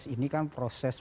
ini kan proses